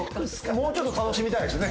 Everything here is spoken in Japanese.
もうちょっと楽しみたいですね。